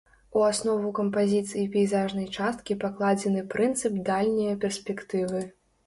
У аснову кампазіцыі пейзажнай часткі пакладзены прынцып дальняе перспектывы.